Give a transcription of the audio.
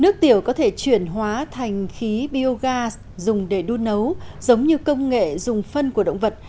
nước tiểu có thể chuyển hóa thành khí biogas dùng để đun nấu giống như công nghệ dùng phân của động vật